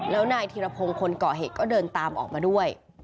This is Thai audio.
แล้วนายธีรพงศ์คนเกาะเหตุก็เดินตามออกมาด้วย